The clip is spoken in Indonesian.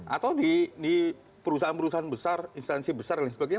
atau di perusahaan perusahaan besar instansi besar dan lain sebagainya